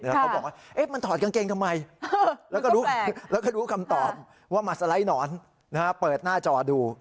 แล้วเขาบอกว่ามันถอดกางเกงทำไมแล้วก็รู้คำตอบว่ามาสไลด์หนอนเปิดหน้าจอดู